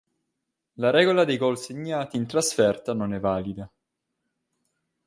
La regola dei gol segnati in trasferta non è valida.